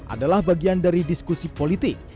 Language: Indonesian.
adalah bagian dari diskusi politik